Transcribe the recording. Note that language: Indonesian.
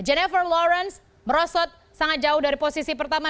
jennifer lawrence merosot sangat jauh dari posisi pertama